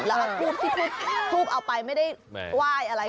แล้วก็ทูบที่ทูบเอาไปไม่ได้ไหว้อะไร